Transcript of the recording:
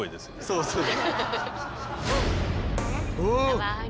そうそう。